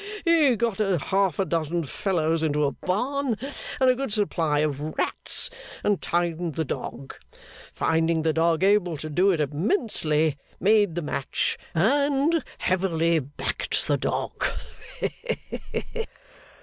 He got half a dozen fellows into a Barn, and a good supply of Rats, and timed the Dog. Finding the Dog able to do it immensely, made the match, and heavily backed the Dog.